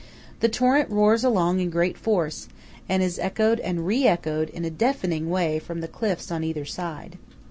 The torrent roars along in great force, and is echoed and re echoed in a deafening way from the cliffs on either side.